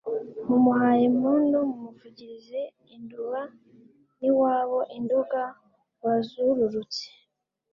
Mumuhaye impundu, mumuvugirize indubaN' iwabo i Nduga bazururutse,